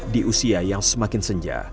di usia yang semakin senja